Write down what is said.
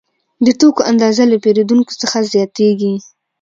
د توکو اندازه له پیرودونکو څخه زیاتېږي